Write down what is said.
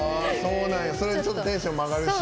それちょっとテンションも上がるし。